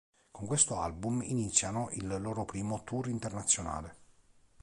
Con questo album iniziano il loro primo tour internazionale.